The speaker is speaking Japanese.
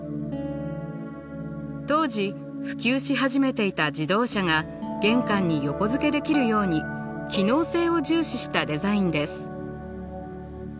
当時普及し始めていた自動車が玄関に横付けできるように機能性を重視したデザインです。